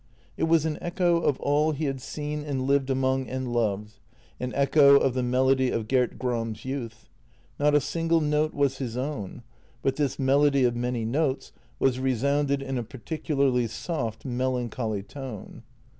It was an echo of all he had seen and lived among and loved — an echo of the melody of Gert Gram's youth; not a single note was his own, but this melody of many notes was resounded in a particularly soft, melancholy tone.